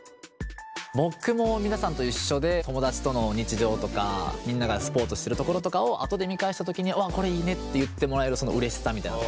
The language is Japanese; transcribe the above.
僕も皆さんと一緒で友達との日常とかみんながスポーツしてるところとかを後で見返した時に「うわこれいいね」って言ってもらえるそのうれしさみたいな。